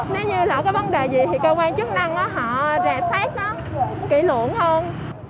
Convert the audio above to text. nếu như là có vấn đề gì thì cơ quan chức năng họ rè phát kỹ luận hơn